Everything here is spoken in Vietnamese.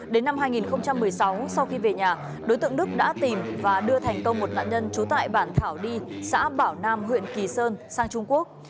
đến năm hai nghìn một mươi sáu sau khi về nhà đối tượng đức đã tìm và đưa thành công một nạn nhân trú tại bản thảo đi xã bảo nam huyện kỳ sơn sang trung quốc